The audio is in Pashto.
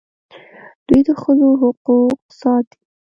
دوی د ښځو حقوق ساتي.